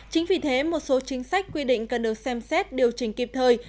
chính vì thế một số chính sách quy định cần được xem xét điều chỉnh kịp thời